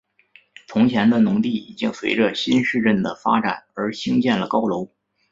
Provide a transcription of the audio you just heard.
从前的农地已经随着新市镇的发展而兴建了高楼。